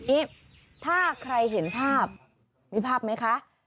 ถ้าใครเห็นภาพมีภาพไหมคะ